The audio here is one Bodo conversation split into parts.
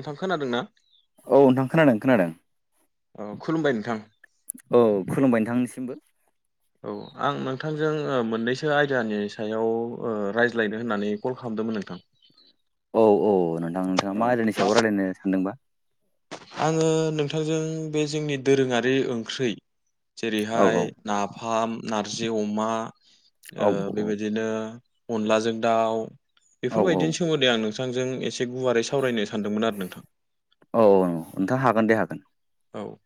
नोंथां खोनादों ना? औ नोंथां खोनादों खोनादों। अ खुलुमबाय नोंथां। औ खुलुमबाय नोंथांनिसिमबो। [inaudible] औ आं नोंथांजों मोननैसो आयदानि सायाव ओ रायज्लायनो होननानै कल खालामदोंमोन नोंथां। औ औ नोंथां। नोंथाङा मा आदायनि सायाव रायज्लायनो सानदोंबा? आङो नोंथांजों बे जोंनि दोरोङारि ओंख्रै औ औ जेरैहाय नाफाम, नारजि अमा, औ ओ बेबायदिनो अनलाजों दाउ औ बेफोरबायदिनि सोमोन्दै दे आं नोंथांजों एसे गुवारै सावरायनो सानदोंमोन आरो नोंथां। औ नोंथां हागोन दे हागोन। औ।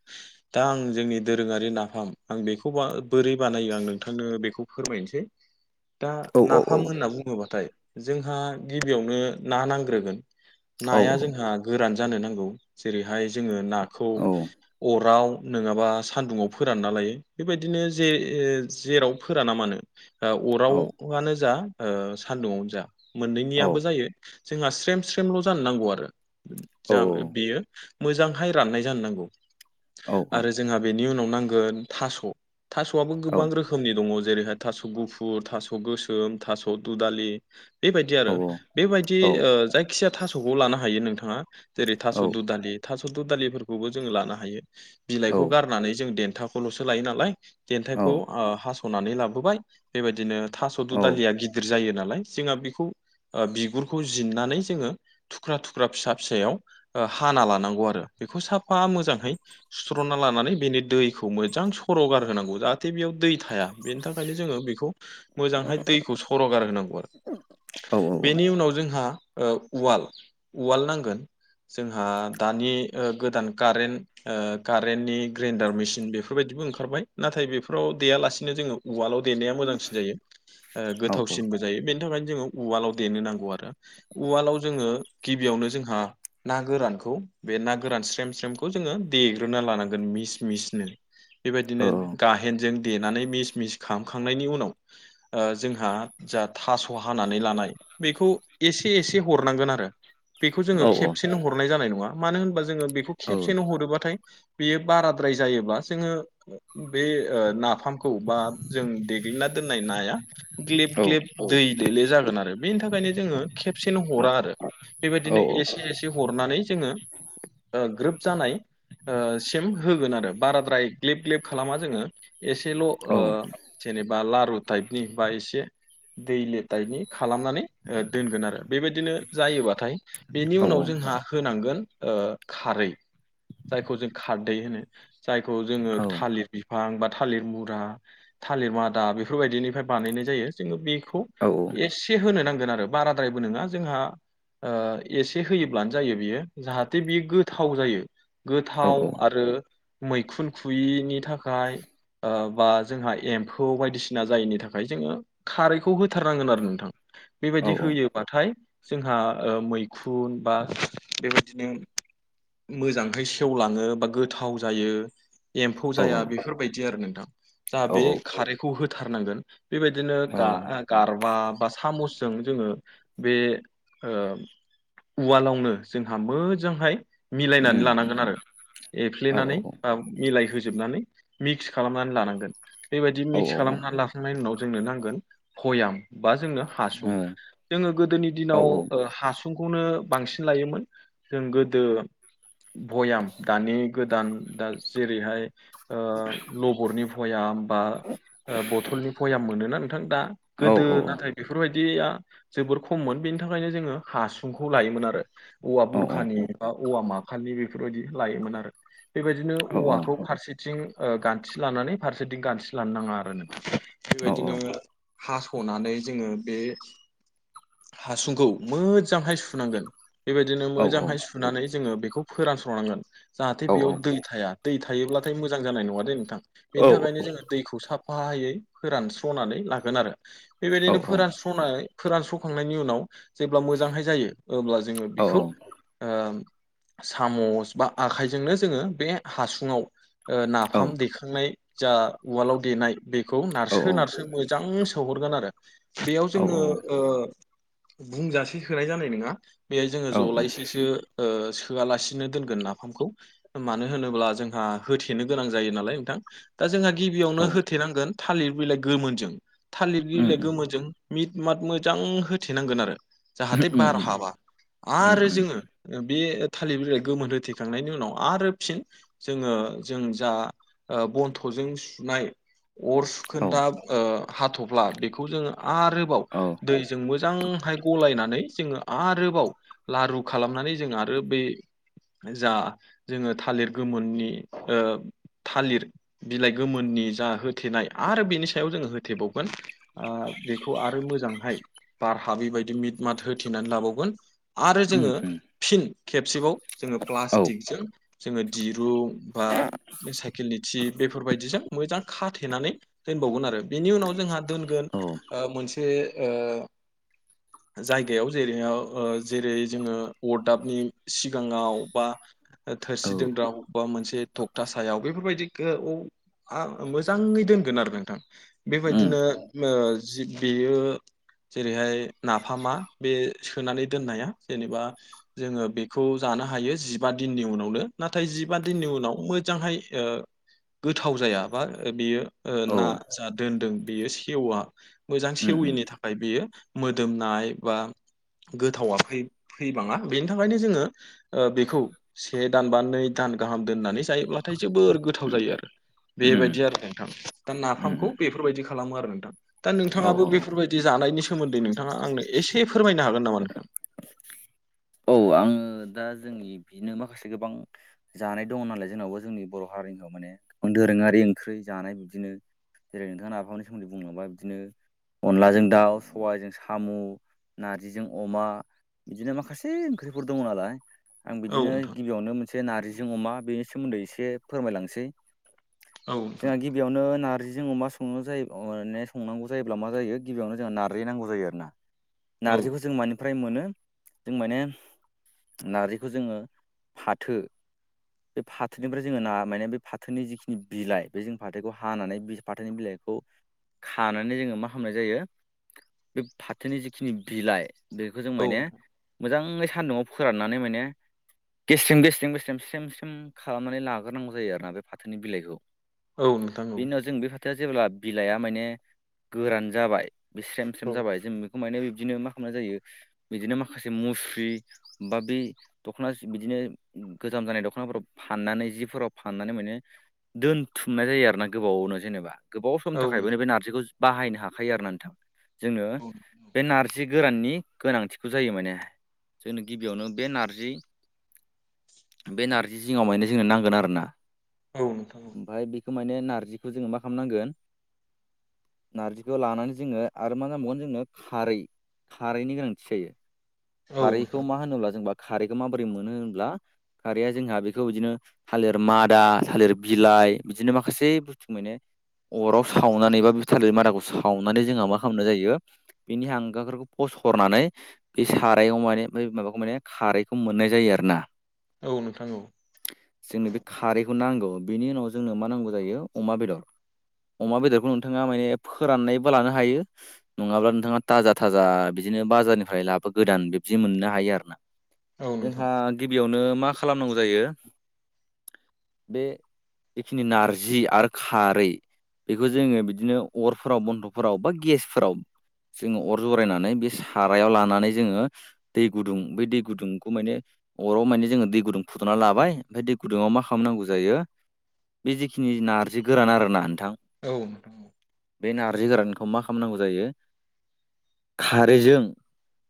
दा आं जोंनि दोरोङारि नाफाम आं बेखौ बोरै बानायो आं नोंथांनो बेखौ फोरमायनोसै। [inaudible] दा औ औ औ नाफाम होनना बुङोबाथाय जोंहा गिबियावनो ना नांग्रोगोन। औ नाया जोंहा गोरान जानो नांगौ। जेरैहाय जोङो नाखौ औ अराव नङाबा सान्दुङाव फोरानना लायो। बेबायदिनो जे-जेराव फोराना मानो औ अराव आनो जा ओ सान्दुंयावनो जा औ मोननैनियाबो जायो। जोंहा स्रेम स्रेमल' जानो नांगौ आरो। जा औ बेयो मोजांहाय राननाय जानो नांगौ‌ औ आरो जोंहा बेनि उनाव नांगोन थास'। थास'आबो औ गोबां रोखोमनि दङ जेरैहाय थास' गुफुर, थास' गोसोम, थास' दुदालि बेबायदि आरो। बेबायदि औ ओ जायखिया थास'खौ लानो हायो नोंथाङा। जेरै थास' औ दु दालि। थास' दु दालिफोरखौबो जों लानो हायो। बिलाइखौ गारनानै जों देन्थाखौ खौल'सो लायो नालाय। देन्थाइखौ हास'नानै लाबोबाय। बेबायदिनो थास'दु दालिया गिदिर जायो नालाय। जोंहा बेखौ ओ बिगुरखौ जिरन्नानै जोङो थुख्रा थुख्रा फिसा फिसायाव हाना लानांगौ आरो बेखौ साब फ्फा मोजांहै सुस्र'ना लानानै बेनि दैखौ मोजां सर'गार होनांगौ जाहाथे जाहाथे बेयाव दै थाया बेनि थाखायनो जोङो बेखौ मोजांहाय दैखौ सर'गार होनांगौ आरो। बेनि उनाव जोंहा उवाल। उवाल नांगोन जोंहा दानि गोदान कारेन्ट कारेन्टनि ग्रेन्डार मेसिन बेफोरबायदिबो ओंखारबाय। नाथाय बेफोराव देयालासिनो जोङो उवालाव देनाया मोजांसिन जायो। ओ गोथावसिनबो जायो। बेनि थाखायनो जोङो उवालाव देनो नांगौ आरो। उवालाव जोङो गिबियावनो जोंहा ना गोरानखौ बे ना गोरान स्रेम स्रमखौ जोङो देग्रोना लानांगोन मिस मिसनो। बेबायदिनो गाहेनजों देनानै मिस मिस खालामखांनायनि उनाव जोंहा जा थास' हानानै लानाय बेखौ एसे एसे हरनांगोन आरो। बेखौ जोङो खेबसेनो हरनाय जानाय नङा, मानो होनबा जोङो बेखौ खेबसेनो हरोबाथाय बेयो बाराद्राय जायोबा जोङो बे नाफामखो खौ बा जों देग्लिना दोननाय नाया ग्लेब ग्लेब दै लेेले जागोन आरो। बेनि थाखायनो जोङो खेबसेनो हरा आरो। बेबायदिनो एसे एसे हरनानै जोङो ग्रोब जानाय ओ सिम होगोन आरो। बाराद्राय ग्लेब ग्लेब खालामा जोङो एसेल' ओ जेनेबा बा लारु टाइपनि, बा एसे दैले टाइपनि खालामनानै ओ दोनगोन आरो। बेबायदिनो जायोबाथाय बेनि उनाव जोंहा होनांगोन ओ खारै, जायखौ जों खारदै होनो। जायखौ जोङो थालिर बि बिफां, बा थालिर मुरा, थालिर मादा बेफोरबायदिनिफ्राय बानायनाय जायो। जोङो बेखौ औ औ। एसे होनो नांगोन आरो। बाराद्रायबो नङा जोंहा ओ एसे होयोब्लानो जायो बियो जाहाथे बियो गोथाव जायो। गोथाव आरो मैखुन खुयैनि थाखाय ओ बा जोंहा एम्फौ बायदिसिना जायैनि थाखाय जोङो खारैखौ होथारनांगोन आरो नोंथां बेबायदि होयोबाथाय जोंहा ओ मैखुन बा बेबायदिनो मोजांहै सेवलाङो बा गोथाव जायो एम्फौ जाया बेफोरबायदि आरो नोंथां जाहाथे खारै खौ होथारनांगोन बेबायदिनो गा-गारबा बा सामसजों जोङो बे उवालावनो जोंहा मोजांहाय मिलायनानै लानांगोन आरो एफ्लेनानै बा मिलायहोजोबनानै मिक्स खालामनानै लानांगोन। बेबायदि औ मिक्स औ औ खालामनानै लाखांनायनि उनाव जोंनो नांगोन बयाम। बा जोंनो ओ औ हासुं जोङो गोदोनि दिनाव ओ हासुंखौनो बांसिन लायोमोन जों गोदो भयाम दानि गोदान दा जेरैहाय ओ लबरनि भयाम बा ओ बथलनि भयाम मोनोना नोंथां दा गोदो नाथाय बेफोरबायदिया जोबोर खममोन बेनिथाखायनो जोङो हासुंखौ लायोमोन आरो औवा बुरखानि बा औवा माखानि बेफोरबायदि लायोमोन आरो बेबायदिनो औवाखौ फारसेथिं गान्थि लानानै फारसेथिं गान्थि लानो नाङा आरो नोंथां बेबायदिनो हास'नानै जोङो बे हासुंखौ मोजांहाय सुनांगोन बेबायदिनो मोजांहाय सु सुनानै जोङो बेखौ फोरानस्र'नांगोन जाहाथे बेयाव दै थाया दै थायोब्लाथाय मोजां जानाय नङा दे नोंथां बेनिथाखायनो जोङो दैखौ साफ फायै फोरानस्र'नानै लागोन आरो बेबायदिनो फोरानस्र'नाय फोरानस्र'खांनायनि उनाव जेब्ला मोजांहै जायो अब्ला जोङो बेखौ ओ सामस बा आखाइजोंनो जोङो बे हासुङाव नाफाम देखांनाय जा उवालाव देनाय बेखौ नारसो नारसो मोजां सोहरगोन आरो बेयाव जोङो ओ बुंजासे सोनाय जानाय नङा बेहाय जोङो औ जलायसे सो ओ सोआलासिनो दोनगोन नाफामखौ मानो होनोब्ला जोंहा होथेनो गोनां जायो नालाय नोंथां दा जोंहा गिबियावनो औ होथेनांगोन थालिर बिलाइ गोमोनजों थालिर उम बिलाइ गोमोजों मिद माद मोजां होथेनांगोन आरो जाहाथे उम बार उम हाबा उम आरो उम जोङो बे थालिर बिलाइ गोमोन होथेखांनायनि उनाव आरो फिन जोङो जों जा बन्थ'जों सुनाय अर औ सुखोन्दा हाथ'फ्ला बेखौ जोङो आरोबाव औ दैजों मोजांहाय गलायनानै जोङो आरोबाव लारु खालामनानै जों आरो बे जा जोङो थालिर गोमोननि ओ थालिर बिलाइ गोमोननि जा होथेनाय आरो बेनि सायाव जोङो होथेबावगोन ओ बेखौ आरो मोजांहाय बार हाबैबायदि मिट माद होथेनानै लाबावगोन आरो उम जोङो उम फिन खेबसेबाव जोङो औ प्लास्टिकजों जोङो दिरुं बा साइकेलनि थि बेफोरबायदिजों मोजां खाथेनानै दोनबावगोन आरो बेनि उनाव जोंहा दोनगोन औ उम मोनसे ओ जायगायाव जेरै ओ जेरै जोङो अरदाबनि सिगाङाव बा औ थोरसि दोनग्रा बबेबा मोनसे थखथा सायाव बेफोरबायदि गो आ मोजाङै दोनगोन आरो नोंथां उम बेबायदिनो ओ जि बेयो जेरैहाय नाफामा बे सोनानै दोननाया जेनेबा जोङो बेखौ जानो हायो जिबा दिननि उनावनो नाथाय जिबा दिननि उनाव मोजांहाय ओ गोथाव जाया बा बियो ओ ना जा दोनदों बेयो सेवा मोजां उम सेवैनि था ओमफ्राय बेयो मोदोमनाय बा गोथाव आखाइ थैबाङा बेनि थाखायनो जोङो बेखौ से दान बा नै दान गाहाम दोननानै जायोब्लाथाय जोबोर गोथाव जायो आरो। उम बेबायदि आरो नोंथां। दा उम नाफामखौ बेफोरबायदि खालामो आरो नोंथां। दा औ नोंथाङाबो बेफोरबायदि जानायनि सोमोन्दै नोंथाङा आंनो एसे फोरमायनो हागोन नामा नोंथां? औ आङो दा जोंनि बिदिनो माखासे गोबां जानाय दङ नालाय जोंनावबा जोंनि बर' हारिनि माने दोरोङारि ओंख्रि जानाय बिब्दिनो जेरै नोंथाङा नाफामनि सोमोन्दै बुंलाबाय बिदिनो अनलाजों दाउ, सबाइजों साम', नारजिजों अमा बिदिनो माखासे ए ओंख्रिफोर दङ नालाय आं औ बिदिनो नोंथां गिबियावनो मोन से नारजिजों अमा बेनि सोमोन्दै एसे फोरमायलांनोसै औ नोंथां जोंहा गि गिबियावनो नारजिजों अमा संनो जायो माने संनांगौ जायोब्ला मा जायो गिबियावनो जोंहा नारजि नांगौ जायो आरोना। [inaudible] नारजिखौ जों मानिफ्राय मोनो? जों माने नारजिखौ जोङो फाथो बे फाथोनिफ्राय जोङो ना माने बे फाथोनि जिखिनि बिलाइ बेजों फाथोखौ हानानै फाथोनि बिलाइ खौ खानानै जोङो मा खालामामनाय जायो बे फाथोनि जिखिनि बिलाइ बेखो जों औ माने मोजाङै सान्दुंङाव फोराननानै माने गेस्थ्रम गेसथ्रम स्रेम स्रेम खालामनानै लाग्रोनांगौ जायो आरोना बे फाथोनि बिलाइखौ नोंथां औ नोंथां औ बेनि उनाव जों बे फाथोआ जेब्ला बिलाइया माने गोरान जाबाय बे स्रेम स्रेम जाबाय जों बेखौ माने बिबदिनो मा खालामनाय जायो बिदिनो माखासे मुस्रि बा बि दख'ना बिदिनो गोजाम जानाय दख'नाफोराव फाननानै जिफोराव फाननानै माने दोनथुमनाय जायो आरोना गोबावावनो जेनेबा। गोबाव सम औ थाखायबो नोंथां बे नारजिखौ बाहायनो हाखायो आरोना नोंथां। जोंङो औ बे नारजि गोराननि गोनांथिखौ जायो माने जोंनो गिबियावनो बे नारजि बे नारजि जिङाव माने जोंनो नांगोन आरोना। औ नोंथां औ ओमफाय बेखौ माने नारजिखौ जोङो मा खामनांगोन नार्जिखौ लानानै जोङो आरो मा नांबावगोन जोंनो खारै खारैनि गोनांथि जायो। औ नोंथां औ नोंथां औ खारैखौ मा होनोब्ला जोंबा खारैखौ माबोरै मोनो होनोब्ला खारैया जोंहा बेखौ इदिनो थालिर मादा थालिर बिलाइ बिदिनो माखासे बुस्थु माने अराव सावनानै बा बे थालिर मादाखौ सावनानै जोंहा मा खालामनाय जायो बिनि हांगारफोरखौ फसरनानै बे सार रायाव माने बै माबाखौ माने खारैखौ मोननाय जायो आरोना। औ नोंथां औ। जोंनो बे खारैखौ नांगौ बेनि उनाव जोंनो मा नांगौ जायो अमा बेदर अमा बेदरखौ नोंथाङा माने फोराननायबो लानो हायो। नङाब्ला नोंथाङा थाजा थाजा बिदिनो बाजारनिफ्राय लाबो गोदान बिब्दि मोननो हायो आरोना जोंहा गिबियावनो मा खालामनांगौ जायो बे बेखिनि नारजि आरो खारै बेखौ जोङो बिदिनो अरफोराव बन्थ'फोराव बा गेसफोराव जोङो अर जरायनानै बे सारायाव लानानै जोङो दै गुदुं बै दै गुदुंखौ माने अराव माने जोङो दै गुदुं फुदुंना लाबाय ओमफ्राय दै गुदुङाव मा खालामनांगौ जायो बे जिेखिनि नारजि गोरान आरो ना नोंथां औ नोंथां औ बे नारजि गोरानखौ मा खालामनांगौ जायो खारैजों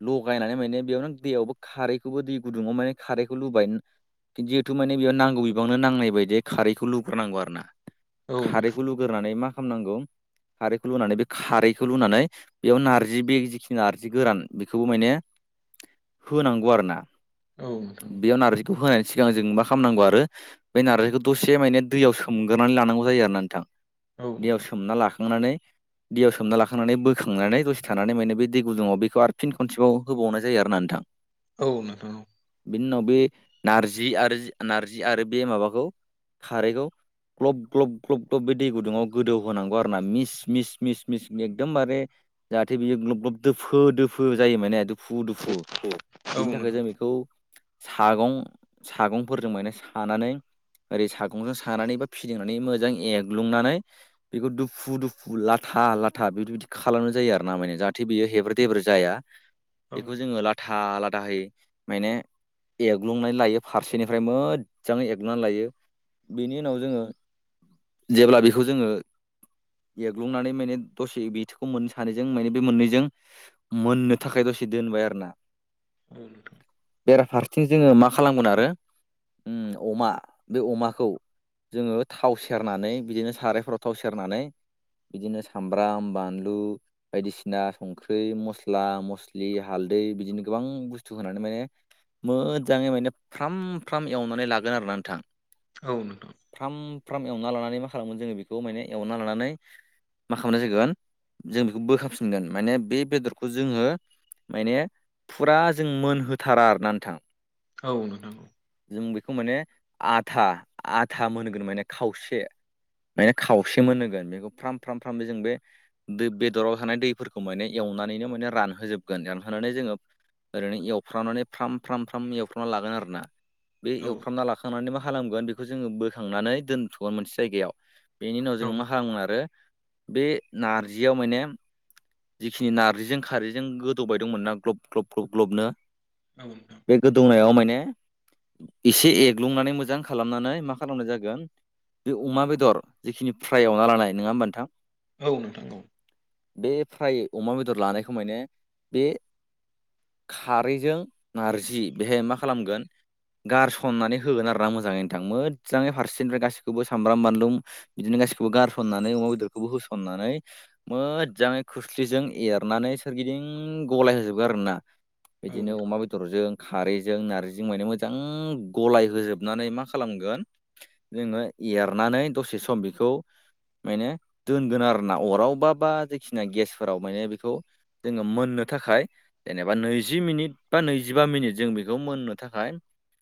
लगायनानै माने बेयाव नों दैयावबो खारैखौबो दै गुदुङाव माने खारैखौ लुबाय जिहेथु माने बेयाव नांगौ बिबांनो नांनाय बायदि खारैखौ लुग्रोनांगौ आरो ना नोंथां खारैखौ होग्रोनानै मा खामनांगौ खारैखौ लुनानै बे खारैखौ लुनानै बेयाव नारजि बे जिखिनि नारजि गोरान बेखौ माने होनांगौ आरोना औ नोंथां औ नोंथां औ नोंथां औ नोंथां बेयाव नारजि खौ होनायनि सिगां जों मा खामनांगौ आरो बे नारजिखौ दसे माने दैयाव सोमग्रोनानै लानांगौ जायो आरोना नोंथां औ दैयाव नोंथां सोमना लाखांनानै दैयाव सोमना लाखांनानै बोखांनानै दसे थानानै माने बे दै गुदुआव बेखौ आरोख फिन खनसेबाव होबावनाय जायो आर ना नोंथां औ नोंथां बिनि उनाव बे नारजि आरो नार्जि आरो बे माबाखौ खारैखौ ग्लब ग्लब ग्लब ग्लब बे दै गुदुङाव गोदौ होनांगौ आरो ना मिस मिस मिस मिस मि एकदमबारे जाहाथे बियो ग्लब ग्लब दोफो दो दुफु जायो माने दुफु दुफु औ बेनि थाखाय नोंथां जों बेखौ सागं सागंफोरजों म सानानै ओरै सागंजों सानानै बा फिदिंनानै मोजां एग्लुंनानै बेखौ दुफु दुफु लाथा लाथा बेफोर बिदि खालामनाय जायो आरो ना माने जाहाथे बेयो हेब्रेब्र जाया औ बेखौ जोङो लाथा लाथाहै माने एग्लुंनाय लायो फारसेनिफ्राय मोजाङ एग्लुनानै लायो बेनि उनाव जोङो जेब्ला बेखौ जोङो एग्लुंनानै माने दसे बैोखौ मोननो सानैजों माने बे मोननैजों मोननो थाखाय दसे दोनबाय आरो ना औ नोंथां बेराफारसे थिं जोङो मा खालामगोन आरो अमा बे अमाखौ जोङो थाव सेरनानै बिदिनो सारायफोराव थाव सेरनानै बिदिनो सामब्राम बानलु बायदिसिना संख्रि मस्ला मस्ला मस्लि हालदै बिदिनो गोबां बुस्थु होनानै माने मोजाङै माने फ्राम फ्राम एवनानै लागोन आरोना नोंथां औ नोंथां फ्राम फ्राम एवना लानानै मा खालामोमोन जोङो बेखौ माने एवना लानानै मा खालामनाय जागोन जों बेखौ बोखफिनगोन माने बे बेदर खौ जोङो माने फुरा जों मोनहोथारा आरोना नोंथां औ नोंनांगौ जों बेखौ माने आथा आथा मोनोगोन माने खावसे माने खावसे मोन होगोन बेखौ फ्राम फ्राम फ्रामबो जों बे दै बेदराव थानाय दैफोरखौ माने एवनानैनो माने रानहोजोबगोन रानहोनानै जोङो ओरैनो एवफ्रामनानै फ्राम फ्राम फ्राम एवफ्रामना लागोन आर ना बे औ एवफ्रामना लाखांनानै मा खालामगोन बेखौ जोङो बोखांनानै दोनथ'गोन मोनसे जायगायाव बेनि उनाव औ जोङो मा हामोन आरो बे नारजियाव माने जिखिनि नारजिजों खारैजों गोदौबाय दंमोन ना ग्लब ग्लब ग्लब ग्लबनो औ बे गोदौनायाव माने एसे एग्लुंनानै मोजां खालामनानै मा खालामनाय जागोन बे अमा बेदर जिखिनि फ्रायआवना लानाय नङा होमब नोंथां औ नोंथांौ बे फ्राय अमा बेदर लानायखौ माने बे खारैजों नारजि बेहाय मा खालामगोन गारसननानै होगोन आरोना मोजाङैनो नोंथां मोजाङै फारसेनिफ्राय गासैखौबो सामब्राम बानलुम बिदिनो गासिखौबो गारसननानै अमा बेदरखौबो होसननानै मोजाङै खोस्लिजों एरनानै सोरगिदिं गलाय होजोबो आरोना औ बिदिनो नोंथां अमा बेदर बेदरजों खारैजों नारजिजों माने मोजां गलाय होजोबनानै मा खालामगोन जोङो एरनानै दसे सम बेखौ मायने दोनगोन आरो ना अराव बा बा जेखिना गेसफोराव माने बेखौ जोङो मोननो थाखाय जेनेबा नैजि मिनिट बा नैजिबा मिनिट जों बेखौ मोननो थाखाय